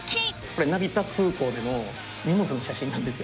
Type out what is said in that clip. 成田空港での荷物の写真なんですよ。